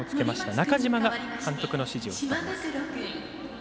中島が監督の指示を伝えます。